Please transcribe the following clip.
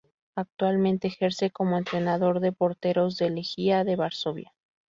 Actualmente ejerce como entrenador de porteros del Legia de Varsovia.